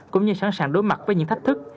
cũng như sẵn sàng đối mặt với những thách thức